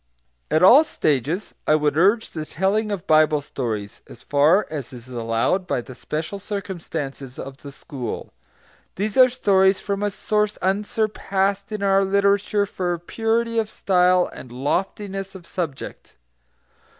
At all stages I would urge the telling of Bible stories, as far as is allowed by the special circumstances of the school. These are stories from a source unsurpassed in our literature for purity of style and loftiness of subject.